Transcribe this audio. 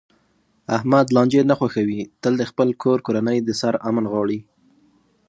احمد لانجې نه خوښوي، تل د خپل کور کورنۍ د سر امن غواړي.